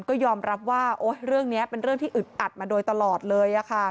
ก็ยอมรับว่าเรื่องนี้เป็นเรื่องที่อึดอัดมาโดยตลอดเลย